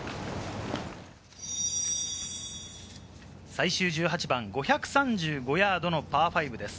最終１８番、５３５ヤードのパー５です。